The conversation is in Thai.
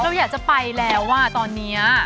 เราอยากจะไปแล้วอ่ะตอนนี้